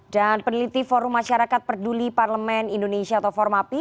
dan peneliti forum masyarakat perduli parlemen indonesia atau formapi